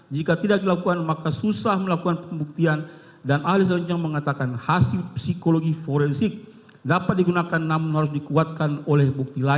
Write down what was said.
jika tidak dilakukan maka susah melakukan pembuktian dan ali seranjang mengatakan hasil psikologi forensik dapat digunakan namun harus dikuatkan oleh bukti lain